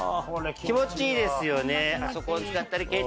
気持ちいいですよね。